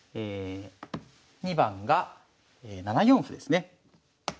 ２番が７四歩ですね。